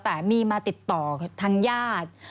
แต่มีมาติดต่อทางญาติ